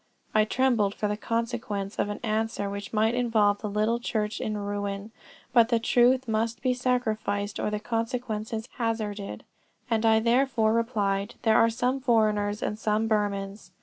I trembled for the consequence of an answer which might involve the little church in ruin; but the truth must be sacrificed or the consequences hazarded; and I therefore replied, 'There are some foreigners and some Burmans.'